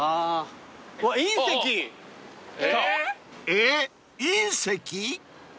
［えっ隕石！？］